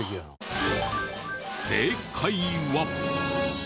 正解は。